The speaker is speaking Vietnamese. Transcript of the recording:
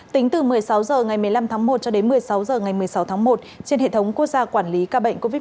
tính từ một mươi sáu h ngày một mươi năm tháng một cho đến một mươi sáu h ngày một mươi sáu tháng một trên hệ thống quốc gia quản lý ca bệnh covid một mươi chín